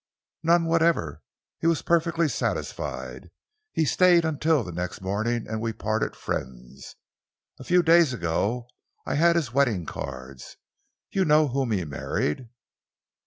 "None whatever. He was perfectly satisfied. He stayed until the next morning and we parted friends. A few days ago I had his wedding cards. You know whom he married?"